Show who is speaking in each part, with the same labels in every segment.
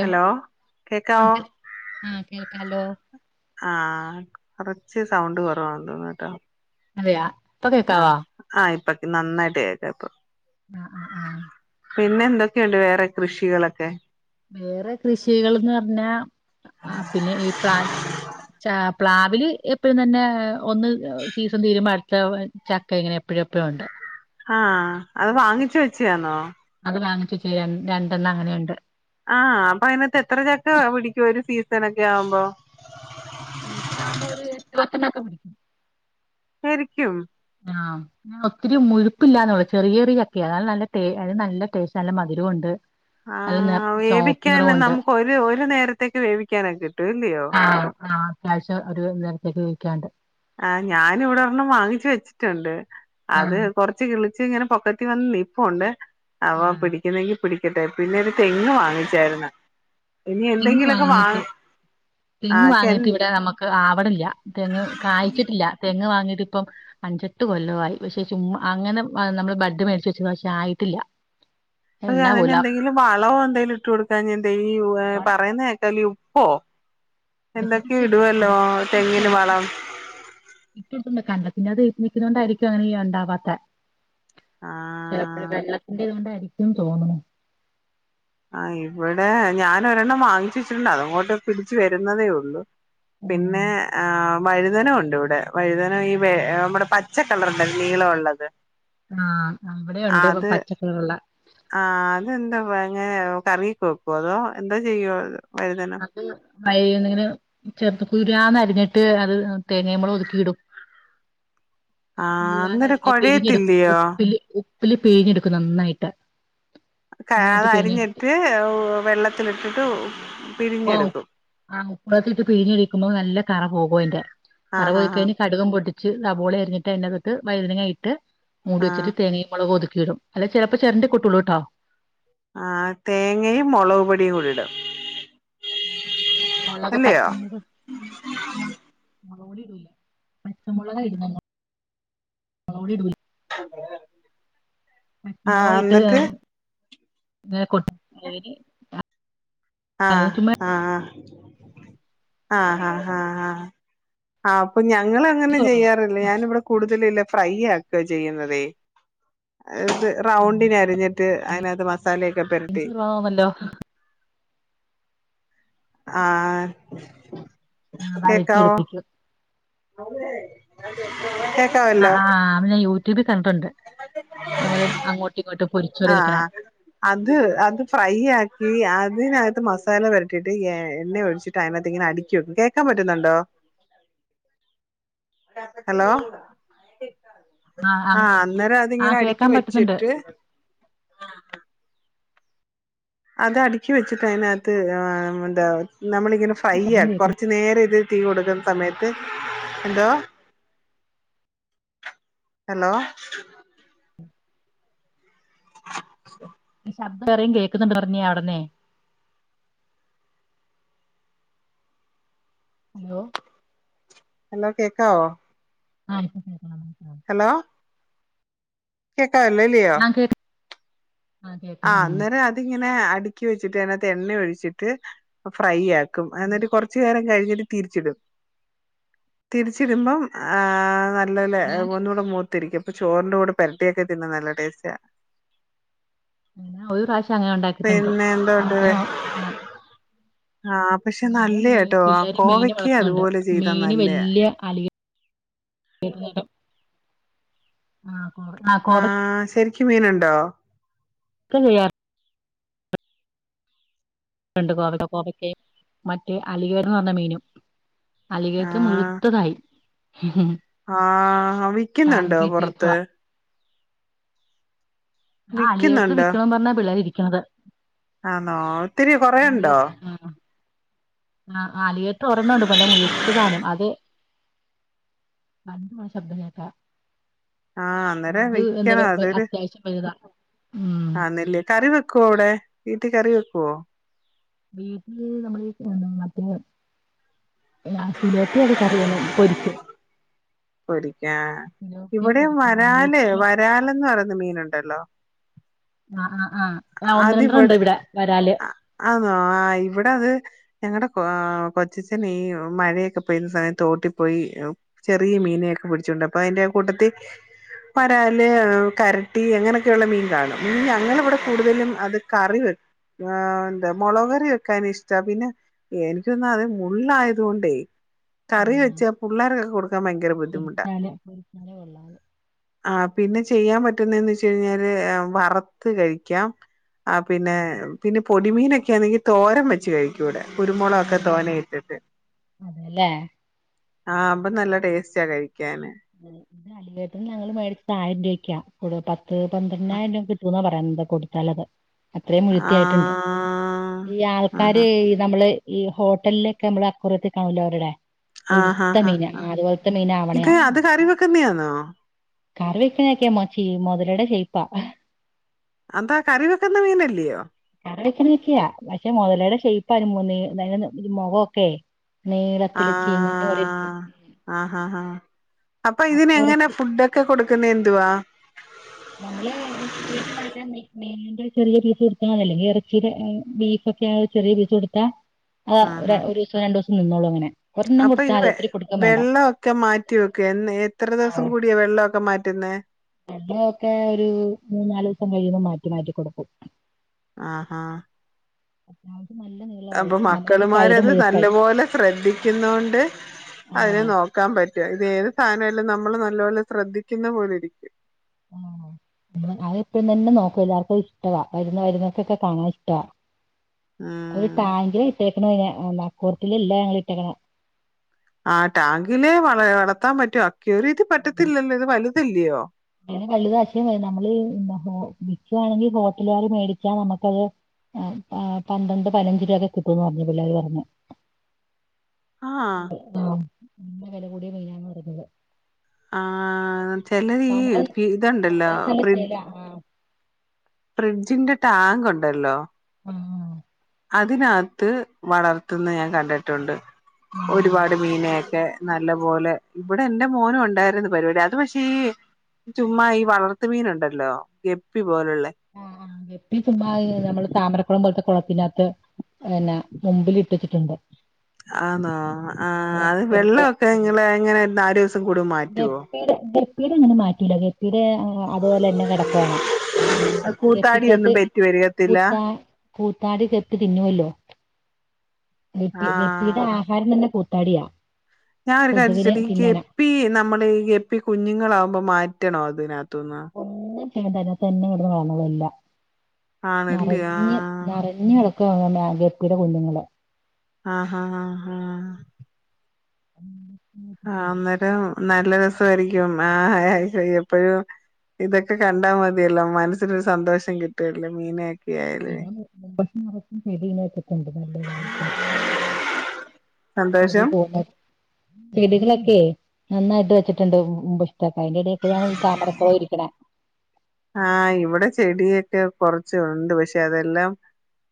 Speaker 1: Hello
Speaker 2: ആ
Speaker 1: കേക്കാവോ
Speaker 2: കേ ആ കേൾക്കാലോ
Speaker 1: ആ കൊറച്ച് സൗണ്ട് കൊറവാന്ന് തോന്ന്ട്ടോ.
Speaker 2: അതെയോ?
Speaker 1: ആ ആ ഇപ്പം നന്നായിട്ട് കേക്കാം ഇപ്പോ.
Speaker 2: ആ ആ ആ
Speaker 1: പിന്നെ എന്തൊക്കെയുണ്ട് വേറെ കൃഷികളൊക്കെ?
Speaker 2: വേറെ കൃഷികൾന്ന് പറഞ്ഞാ ആ പിന്നെ ഈ പ്ലാൻ ചാ പ്ലാവില് എപ്പഴും തന്നെ ഒന്ന് സീസൺ തീരുമ്പോ അടുത്ത ചക്ക ഇങ്ങനെ എപ്പോഴും എപ്പോഴും ഉണ്ട്.
Speaker 1: ആഹ്. അത് വാങ്ങിച്ച വെച്ചെ ആന്നോ?
Speaker 2: ചെയ്യാൻ രണ്ടെണ്ണം അങ്ങനെയുണ്ട്.
Speaker 1: ആഹ് അപ്പോ അതിനാത്ത് എത്ര ചക്ക പിടിക്കും ഒരു സീസൺ ഒക്കെ ആവുമ്പോ?
Speaker 2: സീസണാകുമ്പോ ഒരു എട്ട് പത്തെണ്ണൊക്കെ പിടിക്കും
Speaker 1: ശരിക്കും.
Speaker 2: ആഹ് ഞ ഒത്തിരി മുഴുപ്പില്ലാന്നുള്ള ചെറിയ ചെറിയ ചക്കയ നല്ല അത് നല്ല ടേസ്റ്റ് നല്ല മധുരവും ഉണ്ട്.
Speaker 1: ആഹ് വേവിക്കൻ നമുക്ക് ഒരു ഒരു നേരത്തേക്ക് വേവിക്കാൻ ഒക്കെ കിട്ടൂല്ലയോ?
Speaker 2: ആ ആ അത്യാവശ്യം ഒരു നേരത്തേക്ക് ഉപയോഗിക്കാണ്ട്.
Speaker 1: ആ ഞാന് ഇവിടെ ഒരെണ്ണം വാങ്ങിച്ച് വെച്ചിട്ടുണ്ട്
Speaker 2: ആ
Speaker 1: അത് കൊറച്ച് കിളി ച്ചെ ഇങ്ങനെ പൊക്കത്തി വന്ന് നീൽപ്പുണ്ട് അവ
Speaker 2: ആ
Speaker 1: പിടിക്കുന്നെങ്കി പിടിക്കട്ടെ പിന്നെ ഒരു തെങ്ങ് വാങ്ങിച്ചായിരു ന്ന
Speaker 2: തെങ്ങ് വാങ്ങീട്ട്
Speaker 1: ആ
Speaker 2: തെങ്ങ് വാങ്ങിട്ട്
Speaker 1: ചെലപ്പ
Speaker 2: ഇവിടെ നമുക്ക് ആവണില്ല തെങ്ങ് കായ് കേട്ടില്ല തെ ങ്ങ് വാങ്ങീട്ടിപ്പൊ അഞ്ചെട്ടു കൊല്ലവാ യി പക്ഷ ചുമ്മാ അങ്ങനെ നമ്മള് ബഡ് മേടിച്ച വെച്ച് പക്ഷെ ആയിട്ടില്ല
Speaker 1: അല്ല
Speaker 2: എന്നാ പോലാ
Speaker 1: അതിനെന്തെങ്കിലും വളോ എന്തെങ്കിലും ഇട്ട് കൊടുക്കാഞ്ഞ തെ തെയ്യുവേ പറയുന്നേകാലും ഓ
Speaker 2: വിത്തൊക്കെ ഇട് കൊടുക്കുന്നു
Speaker 1: വളം
Speaker 2: ഇട്ട് കൊടുക്കുമ്പ കണ്ട പിന്നെ അത് നിക്കുന്നോണ്ടായിരിക്കും അങ്ങനെ ഇല്ല ണ്ടാവാത്തെ
Speaker 1: ആ
Speaker 2: ചിലപ്പ വെള്ളത്തിന്റെ ഇതോണ്ടായിരിക്കും ച്ചും തോന്നുണു
Speaker 1: ആ ഇവിടെ ഞാൻ ഒരെണ്ണം വാങ്ങിച്ച്ച്ചിട്ടുണ്ട് അതങ്ങോട്ട് പിടിച്ച് വരുന്നതേ ഒള്ളു പിന്നെ ആ വഴതന ഒണ്ടിവിടെ വഴതനം ഈ വ നമ്മടെ പച്ച കളറിന്റെ നീളം ഉള്ളത്
Speaker 2: ആ ഇവിടെ ഒണ്ട് പച്ചക്കളറുള്ള
Speaker 1: ഇതെന്താ വെൽ ങ്ങനെയോ കറങ്ങിക്കോക്കോ അതോ എന്തോ ചെയ്യോ
Speaker 2: അത് മഴയ്യെണീന് ങ്ങനെ ചെർത്ത് തുരുതുരാന്നരീഞ്ഞിട്ട് അത് തേങ്ങേമൊളും ഒതുക്കി ഇടും
Speaker 1: ആ അന്നേരം
Speaker 2: ഉതുരുതുരാന്നരിഞ്ഞ് പിഴിഞ്ഞെടുക്കും
Speaker 1: കൊഴയത്തില്ലയോ
Speaker 2: ഉപ്പില് ഉപ് ത്തില് പിഴിഞ്ഞെടുക്കും നന്നായിട്ട്
Speaker 1: കാള
Speaker 2: നന്നായിട്ട് പിഴിഞ്ഞെടുത്ത്
Speaker 1: അരിഞ്ഞട്ട് ഓ വെള്ളത്തിലിട്ടിട്ട്
Speaker 2: വൗ
Speaker 1: പിഴിഞ്ഞെടുക്കും
Speaker 2: ആ ഉപ്പളത്തിലിട്ട് പിഴിഞ് കഴിക്കുമ്പോ നല്ല കറ പോകു അയിന്റെ കറ
Speaker 1: ആഹ് ആഹ്
Speaker 2: പോയിക്കഴിഞ്ഞ കടുകം പൊട്ട് ച്ച് സബോളെ എരിഞ്ഞിട്ട് അതിന്റെകത്ത്് വൈുന കയിട്ട് മൂടി
Speaker 1: ആഹ് ആഹ്
Speaker 2: വെച്ചിട്ട് തേങ്ങീമൊളക്കൂത് ക്കിടും അല്ല ചെലപ്പോ ചെരണ്ടി കുട്ടള്ളൂട്ടോ
Speaker 1: ആ തേങ്ങയും മുളക്പൊടിയൂടിടും
Speaker 2: മുളക്
Speaker 1: അല്ലയോ
Speaker 2: മൊളക് പൊടി ഇടൂല പച്ച മുളക ഇടുന്നദ് [unintelligible]
Speaker 1: ആഹ് എന്നിട്ട്
Speaker 2: [unintelligible] [unintelligible]
Speaker 1: ആ
Speaker 2: അതിന് ചുമ്മാ
Speaker 1: ആ ആ ആ ആ ആ അപ്പൊ ഞങ്ങ
Speaker 2: ഇഞ്ചി
Speaker 1: അങ്ങനെ
Speaker 2: കുറവാണ്.
Speaker 1: ചെയ്യാറില്ല ഞാന ഇവിടെ കൂടുതല ഫ്രൈ ആക്ക ചെയ്യുന്നതേ ത് റൗണ്ടിന അരിഞ്ഞിട്ട് അതിനകത്ത് മസാലയൊക്കെ പരട്ടി
Speaker 2: ഇഞ്ചി കുറവാണല്ലോ
Speaker 1: ആ
Speaker 2: ഞാ വയറ്റ എടുപ്പിച്ചു
Speaker 1: [unintelligible]
Speaker 2: ആ
Speaker 1: കേക്കാവല്ലോ
Speaker 2: ആ് അമ്മ ഞൻ യൂട്യൂബിൽ കന്നിട്ടുണ്ട് നമ്മള് അങ്ങോട്ടും ഇങ്ങോട്ട്
Speaker 1: ആഅത് അത് ഫ്രൈ ആക്കി ഇതിനകത്ത് മസാല വരട്ടിട്ട് എണ്ണ ഒടിച്ചിട്ട് അതിനതിനകത്ത് ഇങ്ങനെ അടുക്കി വെക്കും കേക്കാൻ പറ്റുന്നുണ്ടോ ഹലോ
Speaker 2: ആഹ്
Speaker 1: ആ
Speaker 2: അങ്ങ്
Speaker 1: അന്നേരം അതിങ്ങനെ
Speaker 2: ആഹ്
Speaker 1: അടുക്ക്ി
Speaker 2: കേക്കാൻ പറ്റുന്നുണ്ട്
Speaker 1: വെച്ചിട്ട് അത് അടുക്കി വെച്ചിട്ട അതിനകത്ത് എന്താ നമ്മളിങ്ങനെ ഫ്രൈ
Speaker 2: ശബ്ദം
Speaker 1: ചെയ്യാം
Speaker 2: കേക്കുന്നു
Speaker 1: കുറച്ചു നേരം ഇത് തീ കൊടുക്കുന്ന സമയത്ത് എന്തോ ഹലോ [unintelligible]
Speaker 2: ശബ്ദം കേറയും കേക്കുന്നുണ്ട് പറഞ്ഞ അവിടന്നെ ഹലോ
Speaker 1: ഹലോ കേക്കാവോ
Speaker 2: ആ
Speaker 1: ഹലോ
Speaker 2: ആഹ് കേക്ക
Speaker 1: [unintelligible]
Speaker 2: ആഹ്
Speaker 1: ആ
Speaker 2: കേക്കാം ഉം
Speaker 1: അന്നേരം അതിങ്ങനെ ഇക്കി വെച്ചിട്ട് അതിനകത്ത് എണ്ണ ഒഴിച്ചിട്ട് ഫ്രൈ ആക്കും ക്കും എന്നിട്ട് കുറച്ചുനേരം ഇതു കഴിഞ്ഞിട്ട് തിരിച്ചിടും തിരിച്ചിടുമ്പം ആ ഇല്ലല്ല
Speaker 2: ഞാന്
Speaker 1: ഒന്നൂടെ ത്തിരിക്കും അപ്പൊ ചോറിന്റെ കൂടെ പെരട്ടിയൊക്കെ തിന്ന നല്ല ടെസ്റ്റാ
Speaker 2: ഒരു പ്രാശ് ശങ്ങനെ ഉണ്ടാക്കിട്ടുണ്ട് ആഹ്
Speaker 1: എന്തുണ്ട്
Speaker 2: പിന്നെ ആഹ്.
Speaker 1: ആഹ് പക്ഷെ
Speaker 2: പിന്നെ മീ
Speaker 1: നല്ലയാട്ടോ ആ
Speaker 2: പിള്ളേര് മീന്
Speaker 1: കോവയ്ക്ക
Speaker 2: വളർത്തുന്നുണ്ട്
Speaker 1: അതുപോലെ ചെയ്താ നല്ലയാ.
Speaker 2: മിനിയം ആഹ്. കോ കോവക്ക
Speaker 1: ആഹ് ശെരി. ക്ക് മീനുണ്ടോ?
Speaker 2: ക്ക ചെയ്യ. രണ്ടു കോവയ്ക്കയും മറ്റ് അലിഗേറ്ററന്നു പറഞ്ഞ മീനും. അലിഗേറ്റർ മുഴുത്തത് ആയി.
Speaker 1: ആ വിയ്ക്കുന്നുണ്ടോ പൊറത്ത്?
Speaker 2: ടാങ്കിലിട്ടേക്കുവാ ആ അലിഗേറ്റർ
Speaker 1: വിക്കുന്നുണ്ടോ
Speaker 2: വിയ്ക്കണോന്ന് പറഞ്ഞാ പിള്ളേര് ഇരി ക്കണത്
Speaker 1: ആന്നോ ഒത്തിരി കൊറെയൊണ്ടോ?
Speaker 2: ആ ആ അലിഗേറ്റർ ഒരെണ്ണം ഒണ്ട് നല്ല മുഴുത്ത സാധനം അത് വണ്ടി പോയ ശബ്ദം കേക്കാ
Speaker 1: ആ അന്നേരം വിയ്ക്കണം അതൊരു
Speaker 2: അത്യാവശ്യം വലുതാ ഉം
Speaker 1: ആന്നല്ലേ കറിവെക്ക് ക്കോ അവിടെ വീട്ടി കറി വെക്കു‌വോ?
Speaker 2: വീട്ടില് നമ്മള് ഈ [unintelligible] മറ്റേ [unintelligible] സിലോപ്പിയൊക്കെ കറി [unintelligible] പൊരിക്കും
Speaker 1: പൊരിക്കാൻ
Speaker 2: സിലോപ്പിയ
Speaker 1: ഇവിടെ
Speaker 2: പൊരിക്കും
Speaker 1: വരാല്
Speaker 2: ആലികേറ്റർ നമ്മള്
Speaker 1: വരാല് എന്ന് പറയുന്ന മീന് ഒണ്ടല്ലോ?
Speaker 2: ആ ആ ആ ആ ഒന്ന് രണ്ടെണ്ണം ഉണ്ട്
Speaker 1: അതിവിടെ
Speaker 2: ഇവിടെ വരാല്
Speaker 1: ആ ആന്നോ ആ ഇവിടെ അത് ഞങ്ങടെ ആ കൊച്ഛച്ചൻ ഈ മഴയൊക്കേ പെയ്ത സമയത്ത് തോട്ടി പോയി ചെറിയ മീനെയൊക്കെ പിടിച്ചോണ്ട് വരും അതിൻ്റെ കൂട്ടത്തി വരാല് ആഹ് കരട്ടി അങ്ങനൊക്കെയിള്ള മീൻ കാണും ഞങ്ങള് ഇവിട
Speaker 2: ആ
Speaker 1: കൂടുതലും അത് കറി വെക്ക് ആഹ് എന്താ മൊളക് കറി വയ്ക്കാനിഷ്ടാ പിന്നെ എനിക്ക് [unintelligible] മുള്ളായത് കൊണ്ടേ
Speaker 2: ആ.
Speaker 1: കറി വച്ചാ പുള്ളാർക്കൊക്കെ കൊട്
Speaker 2: പൊരിച്ചാല് പൊരിച്ചാല് കൊള്ളാ അത്
Speaker 1: ആ പിന്നെ ചെയ്യാൻ പറ്റുന്നെന്ന് വെച്ച് കഴിഞ്ഞാല് ഏ വറുത്ത് കഴിക്ക് ക്കാം ആ പിന്നെ
Speaker 2: ഉം
Speaker 1: പിന്നെ പൊടി മീനൊക്കെ ആന്നെങ്കി തോരൻ വച്ച് കഴിക്കും ഇവിടെ കുരുമുളക് ഒക്കെ തോനെ ഇട്ടിട്ട്.
Speaker 2: അതെല്ലേ
Speaker 1: ആ അപ്പൊ നല്ല ടേസ്റ്റാ കഴിക്കാന്.
Speaker 2: [inaudible] അഖിലേട്ടന് ഞങ്ങള് മേടിച്ചത് ആയിരം രൂപക്കാ [unintelligible] പ ത്ത് പന്ത്രണ്ടായിരംരൂപ കിട്ടൂന്നാ പറയുന്നെ. കൊണ്ട് കൊടുത്താലത് അത്രയും
Speaker 1: ആ
Speaker 2: മുഴുത്തയായിട്ടെണ്ട് ഈ
Speaker 1: ആഹാ
Speaker 2: ആൾക്കാരീ നമ്മള് ഈ ഹോട്ടലിലൊക്കെ നമ്മള് അക്വേറിയത്തി കാണൂല്ലേ അവരുടെ
Speaker 1: ആഹാ
Speaker 2: ഇടുത്ത മീൻ ആ അതുപോലത്തെ മീനാവണയാ
Speaker 1: കറിവെക്കുന്നെയാന്നൊ?
Speaker 2: കറി വെക്കാനൊക്കെ [unintelligible] മുതലട ശെയ്പാ
Speaker 1: അതെന്താ കറി വെക്കുന്ന മീനല്ലയോ
Speaker 2: കറി വെക്കണക്കിയാ പക്ഷെ മുതലയുടെ ഷേയ്പാ അയ്ന് മൂന്ന് [unintelligible] മുഖം ഒക്കെ
Speaker 1: ആ
Speaker 2: നീളത്തില് ചീനിൻ്റെ പോലെയിരിക്കും
Speaker 1: ആഹാ ഹാ അപ്പൊ ഇതിന് എങ്ങനെ ഫുഡ് ഒക്കെ കൊടു ക്കുന്ന എന്തുവാ
Speaker 2: നമ്മള് വീട്ടിൽ മേടിക്കണ മീ മീനിൻ്റെ ചെറിയ പീസ് കൊടുത്താ മതി അല്ലേ ഇറച്ചിയുടെ ബീഫ് ഒക്കെ ആ ചെറിയ പീസ് കൊടുത്താ ആഹ് ഒര
Speaker 1: ആഹാ
Speaker 2: ഒരീസം രണ്ടോ നിന്നോളും അങ്ങനെ ഒരെണ്ണം
Speaker 1: അപ്പൊ ഈ
Speaker 2: കൊടുത്താ മതി
Speaker 1: വെ
Speaker 2: ഒത്തിരി കൊടുക്കും വേണ്ട
Speaker 1: വെള്ളൊക്കെ മാറ്റി വെക്കെ എ എത്ര ദിവസം കൂടിയ വെള്ളമൊക്കെ മാ റ്റ്ന്നെ
Speaker 2: വെള്ള നക്കെ ഒരു മൂന്ന് നാലൂസം കഴിയുമ്പം മാറ്റി മാറ്റി കൊടുക്കും
Speaker 1: ആഹാ
Speaker 2: [unintelligible] നീളമായി
Speaker 1: അപ്പൊ
Speaker 2: നമ്മുടെയൊക്കെ കൈയുടെ
Speaker 1: മക്കളുമാരത്
Speaker 2: മുഴുപ്പായി
Speaker 1: നല്ലപോലെ ശ്രദ്ധിക്കുന്ന കൊണ്ട് അതിനെ
Speaker 2: ആഹ്
Speaker 1: നോക്കാൻ പറ്റു ആ ഏത് സാനായാലും നമ്മള് നല്ലപോലെ ശ്രദ്ധിക്കുന്ന പോല ഇരിക്കും
Speaker 2: ആ അ എപ്പഴും തന്നെ നോക്കും എല്ലാവർക്കും ഇഷ്ടവാ വരുന്ന വരുന്നവർക്കൊക്കെ കാണാൻ ഇഷ്ടവാ ഒരു
Speaker 1: ഉം
Speaker 2: ട്ടാങ്കിലാ ഇട്ടെ ക്ക്ണയ്നെ അ നക്കോറിയത്തിലല്ല ഞങ്ങള് ഇട്ടേക്കണ
Speaker 1: ആ ടാങ്കില് വള വളർത്താൻ പറ്റോ ക്യോറിയത്തി പറ്റത്തില്ലല്ലോ ഇത് വലു തല്ലിയോ
Speaker 2: അയ്‌നെ വലുതാക്കിയാ മതി നമ്മള് [unintelligible] ഹോ വിക്കുവാണെങ്കി ഹോട്ടലുകാർ മേടിച്ചാ നമുക്കത് പന്ത്രണ്ട് പതിനഞ്ച് രൂപ ഒക്കെ കിട്ടുംന്ന് പറഞ്ഞു പിള്ളേർ പറഞ്ഞു
Speaker 1: ആഹ്
Speaker 2: ആഹ് നല്ല വില കൂടിയ മീനാണ് ന്ന പറയുന്നത്
Speaker 1: ആഹ് ചിലർ ഈ ഇത്ണ്ടല്ലോ
Speaker 2: കാണാൻ നല്ല
Speaker 1: ഫ്രിഡ്ജ്
Speaker 2: ശേലാ ആഹ്
Speaker 1: ഫ്രിഡ്ജിന്റെ ടാങ്ക് ഉണ്ടല്ലോ
Speaker 2: ആ
Speaker 1: അതിനകത്ത് വളർത്ത്ന്നത് ഞാൻ കണ്ട്ട്ടുണ്ട്
Speaker 2: ഉം
Speaker 1: ഒരുപാട് ‌മീനെ ക്കെ നല്ലപോലെ ഇവിടെ ന്റെ മോനു ഉണ്ടായിരുന്നു പരിവാടി അത് പഷേ ഈ ചുമ്മാ ഈ വളർത്തു മീനുണ്ടല്ലോ ഗപ്പി പോലുള്ള
Speaker 2: ആഹ് ആഹ് വെപ്പിൽ [unintelligible] ഞമ്മള് താമരക്കൊളം പോൽത്തെ കുളത്തിന്റാത്ത് ന്നെ മുമ്പില് ഇട്ടവെച്ചിട്ടുട്ണ്ട്
Speaker 1: ആന്നോ ആ അത്
Speaker 2: ചെറിയ
Speaker 1: വെള്ളവൊക്കെ
Speaker 2: ചെറിയ
Speaker 1: ഇങ്ങള് എങ്ങനെയാ നാല് ദിവസം കൂടുമ്പോ മാറ്റുവോ?
Speaker 2: പ്പിടെ ഒന്നും മാറ്റൂല്ല ഗപ്പീടെ അങ്ങനെ അത്പോലെ തന്നെ കെടക്കുവാണ്. ഗപ്പിക്കാത്ത്
Speaker 1: കൂത്താടിയൊന്നും പെറ്റ് പെരുകത്തില്ല
Speaker 2: [unintelligible] കൂത്താടി ഗപ്പി തിന്നുവല്ലോ ഗപ്പി ഗപ്പിടെ ആഹാരം തന്നെ പൊ തടിയാ
Speaker 1: ഞാ ഒരു കാര്യാ ചോയ്ച്ചോട്ടെ ഈ ഗപ്പി നമ്മള് ഗപ്പി കുഞ്ഞുങ്ങള ഇമ്മ മാറ്റണോ ഇതിനെ ന്തുന്ന
Speaker 2: തന്നെ തന്നെ വളർന്നോളും എല്ലാ
Speaker 1: ആണല്ലേ
Speaker 2: നറഞ്ഞു
Speaker 1: ആഹ്
Speaker 2: നറഞ്ഞു ക്കെ അങ്ങനെ ഗപ്പിടെ കുഞ്ഞുങ്ങള്
Speaker 1: ആഹാ
Speaker 2: [unintelligible]
Speaker 1: നല്ല രസോരിക്കും മാ എപ്പഴും ഇതൊക്കെ കണ്ടാ മതിയല്ലോ മനസ്സിനൊരു സന്തോഷം കി [unintelligible] മീനൊക്കെ ആയാലേ
Speaker 2: [unintelligible] [unintelligible] വീടുകളൊക്കെ നന്നായിട്ട്
Speaker 1: സന്തോഷം
Speaker 2: [unintelligible] അയിന്റെടെ ക്കൂടെണ് ഈ താമര ക്കുളംരിക്കണേ
Speaker 1: ആഹ് ഇവിടെ ചെടിയൊക്കെ കൊറച്ച് ഉണ്ട് പക്ഷെ അതെല്ലാം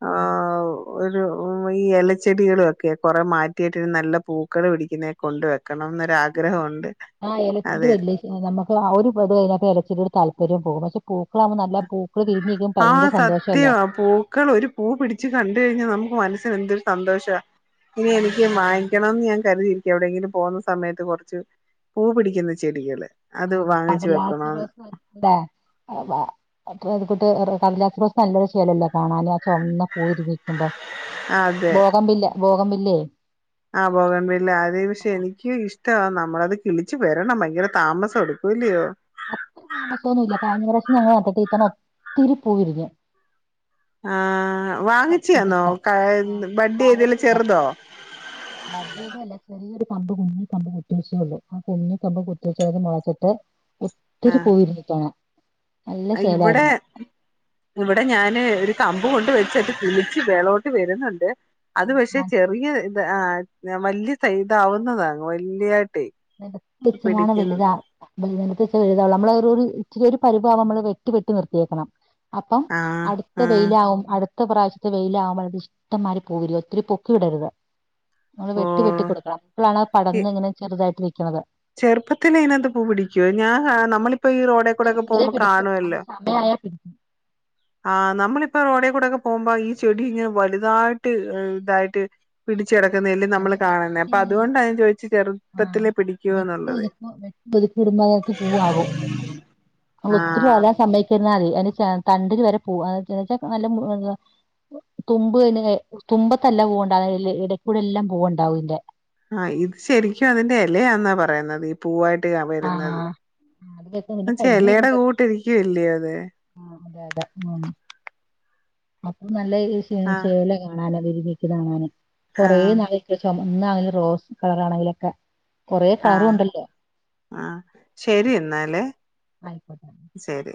Speaker 1: ആഹ് ഒരു ഉ ഈ ഇലച്ചെടികളുഒക്കെ കുറെ മാറ്റിയിട്ടിരു നല്ല പൂക്കൾ പിടിക്കുന്നെ കൊണ്ട് വെക്കണം എന്നൊരാഗ്രഹമുണ്ട
Speaker 2: ആഹ് എലചെടി വലിയ നമക്ക് അഒരു പാട്അതിനത്ത് [unintelligible] ഇലചെടി താല്പര്യം പോകും പൂക്കളാണ് നല്ല പൂ
Speaker 1: ആ സത്യം ആ പൂക്കൾ ഒരു പൂ പിടിച്ച് കണ്ട് കഴിഞ്ഞ നമുക്ക് മനസ്സിന് എന്തൊരു സന്തോഷ ഇനി എനിക്ക് മായി ക്കണം ന്നു ഞാൻ കരുതിയിരിക്കുവാ എവിടെങ്കിലും പോവുന്ന സമയത്തു കൊർച്ച് പൂ പിടിയ്ക്കുന്ന ചെടികള്
Speaker 2: ആ
Speaker 1: അത് വാങ്ങിച്ചു
Speaker 2: അപ്പത് [unintelligible]
Speaker 1: വെക്കണോന്ന്
Speaker 2: [unintelligible] ചൊമ്ന്ന പൂവ് വിരിഞ്ഞ് നിക്കുമ്പം
Speaker 1: അതെ
Speaker 2: ബോഗംവില്ല ബോഗൻവില്ലേ
Speaker 1: ടവാ നമ്മളത് കിളിച്ചു വരണം ഭയങ്കര താമസമെടുക്കും ഇല്ലിയോ
Speaker 2: അത്ര താമസൊന്നുമില്ല കഴിഞ്ഞ പ്രാവശ്യം ഞങ്ങളത് നട്ട് ഒത്തിരി പൂ വിരിഞ്ഞ്
Speaker 1: ആാ വാങ്ങിച്ചയാന്നോ കായി
Speaker 2: വാ-
Speaker 1: ബഡ്ഡു ചെയ്തതിൽ
Speaker 2: വാങ്ങിച്ചില്ല
Speaker 1: ചെറുതോ
Speaker 2: ബഡ്ഡ്യ്തല്ല [unintelligible] ഒത്തിരി പൂ വിരിഞ്ഞു നിക്കാണ്
Speaker 1: അയ് ഇവിടെ ഇവിടെ ഞാനേ ഒരു കമ്പു കൊണ്ടു വച്ചതെ കിളിച്ചു മേളോട്ട് വരുന്നുണ്ട് അതു പക്ഷെ
Speaker 2: ആ
Speaker 1: ചെറിയ തെ ആ വല്യസൈസാവുന്നതാണ് വല്യ
Speaker 2: നെലത്ത് വെച്ച്ങ്ങാണ്ട്
Speaker 1: പിടിക്കുന്ന
Speaker 2: വലുതാ [unintelligible] നമ്മളരൊരു ഇച്ചിരി ഒരു പരുവവുമ്പോൾ വെട്ടി വെട്ടി നിർത്തിയേക്കണം അപ്പം
Speaker 1: ആ
Speaker 2: അടുത്ത
Speaker 1: ആ
Speaker 2: വെയിലാവും അടുത്ത ടുത്ത പ്രാവശ്യത്തെ വെയിലവുമ്പ് ഇഷ്ടം മാതിരി പൂ വിരിയും ഒത്തിരി പൊക്കി വിടരുത് നമ്മളെ
Speaker 1: ഓ
Speaker 2: വെട്ടി വെട്ടി കൊടുക്കണം അപ്പളാണ് അത് പടർന്നിങ്ങനെ ചെറുതായിട്ട് നിക്ക്‌ണത്
Speaker 1: ചെറുപത്തിലെ ഇതിനാത്തു പൂ പിടിക്കോ ഞാൻ [unintelligible] നമ്മളിപ് ഇപ്പ ഈ റോഡേകൂടൊക്കെ
Speaker 2: ചെറുപ്പത്തിലേ
Speaker 1: പോകുമ്പം
Speaker 2: പിടിക്കും അതിന്
Speaker 1: കാണുവല്ലോ
Speaker 2: സമയായാൽ പിടിക്കും
Speaker 1: പോഉമ്പം ഈ ചെടിയിങ്ങനെ വലുതായിട്ട് ഇതായിട്ട് പിടിച് കെടക് നെല്ല്
Speaker 2: അത്
Speaker 1: നമ്മളെ കാണ്ന്നെ
Speaker 2: വെട്ടി
Speaker 1: അപ്പം അതുകൊണ്ടാ ഞാൻ ചോയ്ച്ച്
Speaker 2: ആ
Speaker 1: ചെറുപ്പത്തിലേ പിടിയ്
Speaker 2: വെട്ടി ഒതുക്കൊ വെട്ടി ഒതുക്കി ഇടുമ്പം അത [unintelligible] പൂവാകും ളുത്തിരി
Speaker 1: ആഹ്
Speaker 2: ആല സമ്മയ് നൽ [unintelligible] തണ്ടിത് വര പോവാ [unintelligible] ന്നുവച്ചാ [unintelligible] തുമ്പ്ന് തുമ്പത്തല്ല പൂവ്ണ്ടാകു [unintelligible] ന്നെ ഇടയ്ക്കൂടെല്ലാം പൂണ്ടാവും ഇയിന്റെ
Speaker 1: ആ ഇതു ശരിയ്ക്കും അതിന്റെ ഇലയാന്നാ പറയുന്നത് ഈ പൂവായിട്ട് ട്ടിയാ വരുന്നത്
Speaker 2: ആഹ് അതിലൊക്കെ പിന്നെ
Speaker 1: ന്നിച്ചാ
Speaker 2: കരിഞ്ഞു
Speaker 1: ഇലേടെ
Speaker 2: പോന്നിട്ട്
Speaker 1: കൂട്ടിരിയ്ക്കുവല്ലേ അതെ
Speaker 2: അതു നൽ [unintelligible] വിത്ത് വാങ്ങാനും കുറെ
Speaker 1: ആഹ്
Speaker 2: നാളായിക്ക്ണ് ചൊമ ന്ന ആ റോസ് കളറാണെങ്കിലൊക്കെ കൊറെ കളറുണ്ടല്ലോ
Speaker 1: ആ ശരി എന്നാലേ
Speaker 2: ആയിക്കോട്ടെ [inaudible]
Speaker 1: ശരി